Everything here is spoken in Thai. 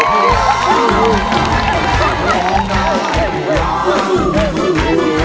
เพลงที่๒มูลค่า๒๐๐๐๐บาท